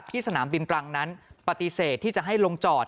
สนามบินตรังนั้นปฏิเสธที่จะให้ลงจอด